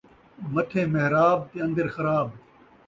متھے محراب تے ان٘در خراب